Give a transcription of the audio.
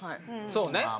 そうね。